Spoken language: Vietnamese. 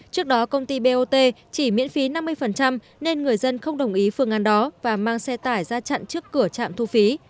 trước đó công ty bot chỉ miễn phí năm mươi nên người dân không đồng ý phương án đó và mang xe tải ra chặn trước cửa trạm thu phí